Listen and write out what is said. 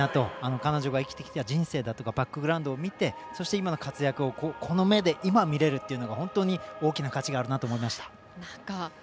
彼女が生きてきたバックグラウンドを見てそして今の活躍をこの目で今、見れるというのが本当に大きな価値があるなと思いました。